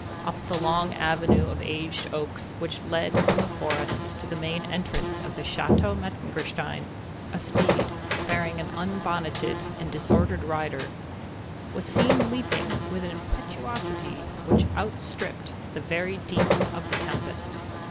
Up the long avenue of aged oaks which led from the forest to the main entrance of the Château Metzengerstein, a steed, bearing an unbonneted and disordered rider, was seen leaping with an impetuosity which outstripped the very Demon of the Tempest.